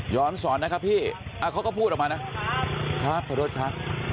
สอนนะครับพี่เขาก็พูดออกมานะครับขอโทษครับ